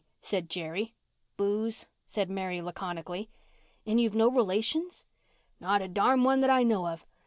said Jerry. "Booze," said Mary laconically. "And you've no relations?" "Not a darn one that I know of.